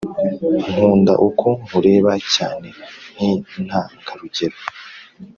nkunda uko nkureba cyane nkintangarugero